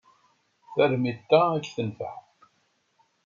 Tarmit-a ad k-tenfeɛ.